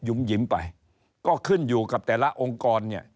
ยุ้มยิ้มไปก็ขึ้นอยู่กับแต่ละองค์กร